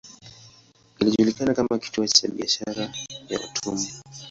Ilijulikana kama kituo cha biashara ya watumwa.